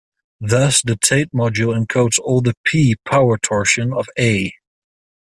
Thus, the Tate module encodes all the "p"-power torsion of "A".